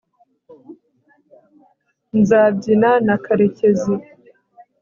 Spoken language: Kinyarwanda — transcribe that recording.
nzabyina na karekezi